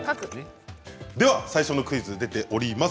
では最初のクイズ出ております。